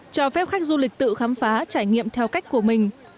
cho phép khách du lịch tự khám phá trải nghiệm theo cách của mình